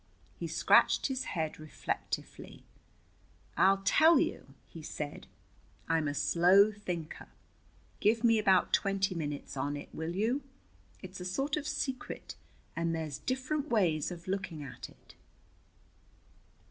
He scratched his head reflectively. "I'll tell you," he said. "I'm a slow thinker. Give me about twenty minutes on it, will you? It's a sort of secret, and there's different ways of looking at it."